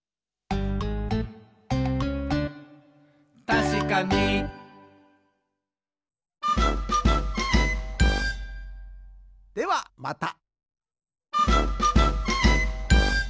「たしかに！」ではまた！